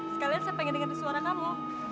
sekalian saya pengen dengerin suara kamu